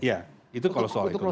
ya itu kalau soal ekonomi